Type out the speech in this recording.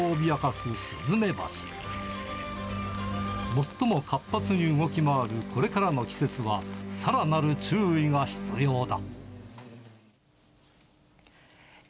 最も活発に動き回るこれからの季節は、さらなる注意が必要だ。